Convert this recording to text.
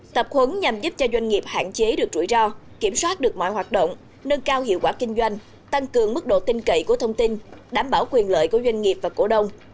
tập huấn nhằm giúp cho doanh nghiệp hạn chế được rủi ro kiểm soát được mọi hoạt động nâng cao hiệu quả kinh doanh tăng cường mức độ tin cậy của thông tin đảm bảo quyền lợi của doanh nghiệp và cổ đông